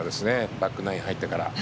バックナイン入ってから。